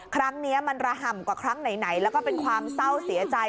ครั้งนี้มันระห่ำกว่าครั้งไหนแล้วก็เป็นความเศร้าเสียใจ